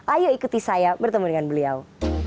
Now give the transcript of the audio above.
ayo ikuti saya bertemu dengan beliau